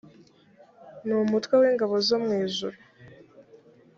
ni umutwe w ingabo zo mu ijuru